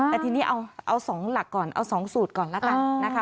แต่ที่นี่เอา๒สูตรก่อนนะคะ